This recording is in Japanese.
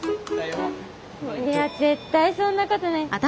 いや絶対そんなことない。